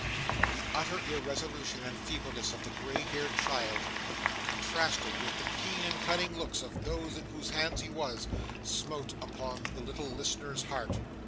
The utter irresolution and feebleness of the grey haired child, contrasted with the keen and cunning looks of those in whose hands he was, smote upon the little listener's heart.